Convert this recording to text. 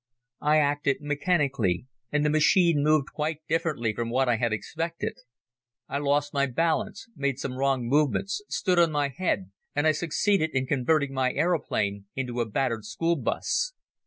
I acted mechanically and the machine moved quite differently from what I had expected. I lost my balance, made some wrong movements, stood on my head and I succeeded in converting my aeroplane into a battered school 'bus.